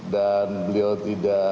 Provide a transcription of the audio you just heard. dan beliau tidak